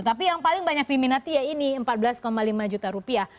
tapi yang paling banyak diminati ya ini empat belas lima juta rupiah